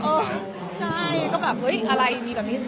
เออใช่ก็แบบเฮ้ยอะไรมีกว่านี้